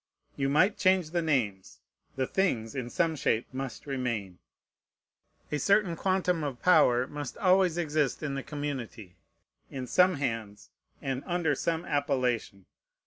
You might change the names: the things in some shape must remain. A certain quantum of power must always exist in the community, in some hands, and under some appellation.